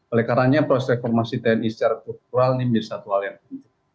oleh karena proses reformasi tni secara struktural ini menjadi satu hal yang penting